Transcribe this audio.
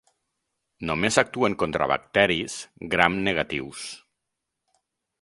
Només actuen contra bacteris gram negatius.